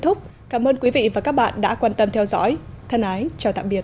thúc cảm ơn quý vị và các bạn đã quan tâm theo dõi thân ái chào tạm biệt